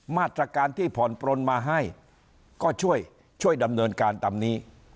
มาตรการที่ผ่อนปลนมาให้ก็ช่วยช่วยดำเนินการตามนี้